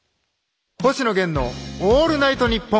「星野源のオールナイトニッポン」。